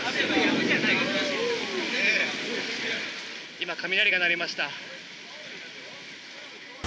今、雷が鳴りました。